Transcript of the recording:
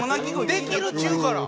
できるっちゅうから。